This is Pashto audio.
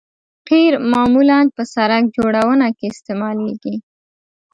قیر معمولاً په سرک جوړونه کې استعمالیږي